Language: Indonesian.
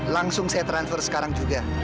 langsung saya transfer sekarang juga